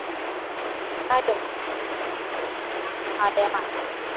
Hayo makubwa maradhi, na tena uhayawani